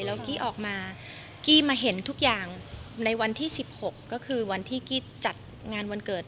แล้วกี้ออกมากี้มาเห็นทุกอย่างในวันที่๑๖ก็คือวันที่กี้จัดงานวันเกิด